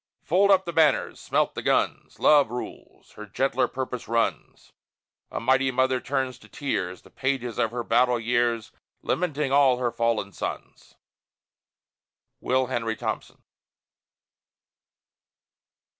Fold up the banners! Smelt the guns! Love rules. Her gentler purpose runs. A mighty mother turns in tears, The pages of her battle years, Lamenting all her fallen sons! WILL HENRY THOMPSON.